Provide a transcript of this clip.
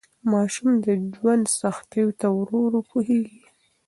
ماشوم د ژوند سختیو ته ورو ورو پوهیږي.